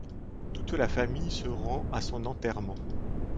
Toute la famille se rend à son enterrement.